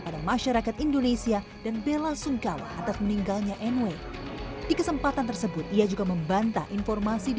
dan saya turut berbelas sungkawa atas meninggalnya calon menantu saya novia